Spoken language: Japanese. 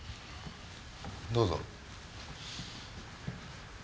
どうぞ。